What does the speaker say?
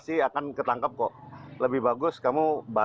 di mana ada dua pelaku utama pengeroyokan korban